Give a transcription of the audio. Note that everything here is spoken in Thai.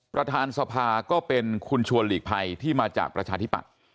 ประธานสภาก็เป็นคุณชวนหลีกภัยที่มาจากประชาธิปัตย์